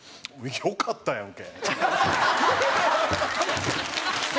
「よかったやんけ」。